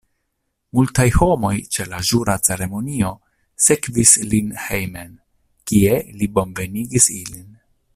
Multaj homoj ĉe la ĵura ceremonio sekvis lin hejmen, kie li bonvenigis ilin.